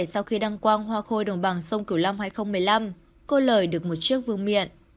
sau khi đăng quang hoa khôi đồng bằng sông cửu long hai nghìn một mươi năm cô lời được một chiếc vương miện